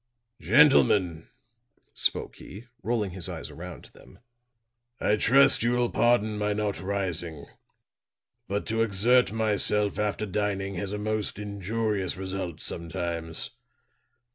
"Gentlemen," spoke he, rolling his eyes around to them, "I trust you will pardon my not rising. But to exert myself after dining has a most injurious result sometimes.